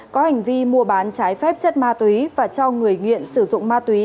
có hành vi mua bán trái phép chất ma túy và cho người nghiện sử dụng ma túy